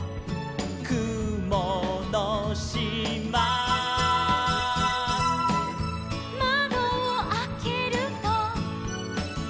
「くものしま」「まどをあけると」